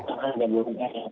bukan hanya bnn